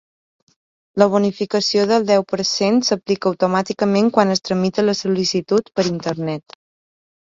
La bonificació del deu per cent s'aplica automàticament quan es tramita la sol·licitud per Internet.